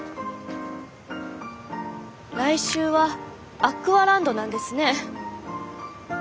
来週はアクアランドなんですね。